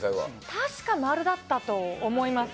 確か〇だったと思います。